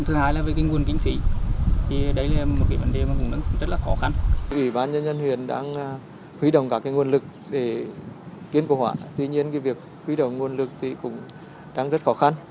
tuy nhiên việc hủy động nguồn lực cũng rất khó khăn